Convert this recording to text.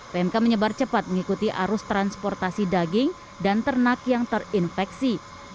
pmk menyebar cepat mengikuti arus transportasi daging dan ternak yang terinfeksi